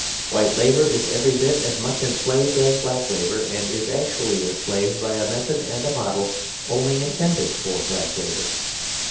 White labour is every bit as much enslaved as black labour; and is actually enslaved by a method and a model only intended for black labour.